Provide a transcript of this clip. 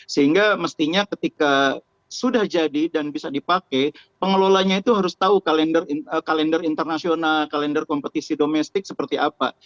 sehingga mestinya ketika sudah jadi dan bisa dipakai pengelolanya itu harus tahu kalender internasional kalender kompetisi domestik seperti apa